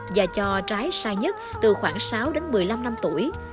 và cho trái sai nhất từ khoảng sáu đến một mươi năm năm tuổi